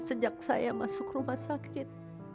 sejak saya masuk rumah sakit